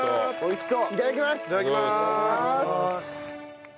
いただきます。